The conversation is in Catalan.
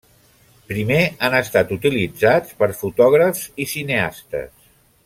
Primer han estat utilitzats per fotògrafs i cineastes.